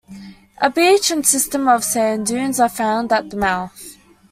A beach and system of sand dunes are found at the mouth.